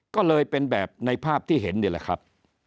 ก็เลยเป็นแบบในภาพที่เห็นนี่แหละครับ